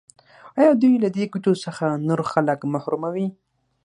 آیا دوی له دې ګټو څخه نور خلک محروموي؟